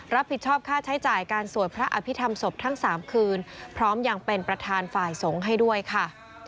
รับผิดชอบค่าใช้จ่ายการสวดพระอภิษฐรรมศพทั้ง๓คืนพร้อมยังเป็นประธานฝ่ายสงฆ์ให้ด้วยค่ะ